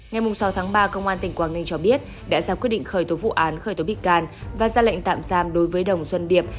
ngày sáu tháng ba công an tỉnh quảng ninh cho biết đã ra quyết định khởi tố vụ án khởi tố bị can và ra lệnh tạm giam đối với đồng xuân điệp